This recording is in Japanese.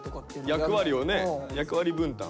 役割をね役割分担。